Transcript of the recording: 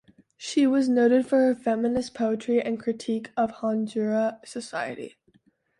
She was noted for her feminist poetry and critique of Honduran society.